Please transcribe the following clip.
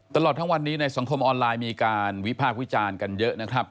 ตลอดทั้งวันนี้ในสังคมออนไลน์มีการวิพากษ์วิจารณ์กันเยอะนะครับ